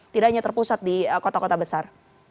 tidak hanya terpusat di kota kota besar